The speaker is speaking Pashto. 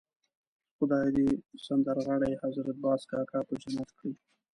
خدای دې سندرغاړی حضرت باز کاکا په جنت کړي.